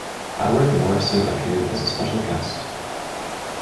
Howard Morrison appeared as a special guest.